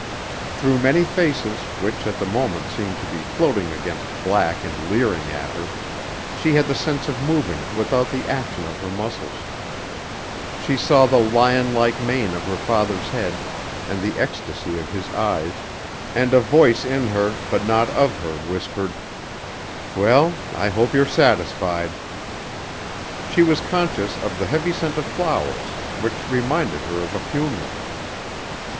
Through many faces, which at the moment seemed to be floating against black and leering at her, she had the sense of moving without the action of her muscles.... She saw the lion like mane of her father's head and the ecstasy of his eyes and a voice in her but not of her whispered: "Well, I hope you're satisfied."... She was conscious of the heavy scent of flowers which reminded her of a funeral....